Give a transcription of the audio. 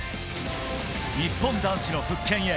日本男子の復権へ。